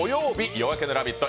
「夜明けのラヴィット！」